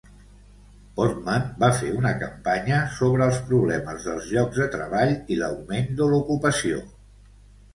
Portman va fer una campanya sobre el problema dels llocs de treball i l'augment de l'ocupació.